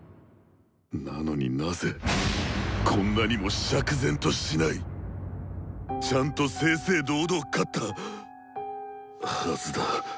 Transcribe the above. なのになぜこんなにも釈然としない⁉ちゃんと正々堂々勝ったはずだ。